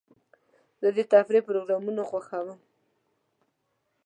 زه د تفریح پروګرامونه خوښوم.